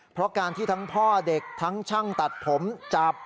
เพราะการที่ทั้งพ่อเด็กทั้งช่างตัดผมจับ